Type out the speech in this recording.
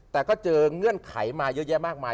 แต่ก็เจอเงื่อนไขมาเยอะแยะมากมาย